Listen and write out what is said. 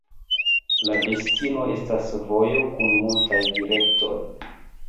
La destino estas vojo kun multaj direktoj.